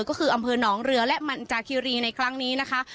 ก็คืออำเภอหนองเรือและมันจากคิรีในครั้งนี้นะคะ